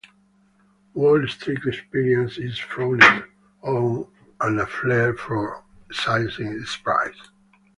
Wall Street experience is frowned on and a flair for science is prized.